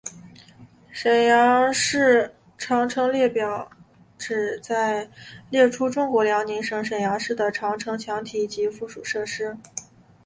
沈阳市长城列表旨在列出中国辽宁省沈阳市的长城墙体及附属设施。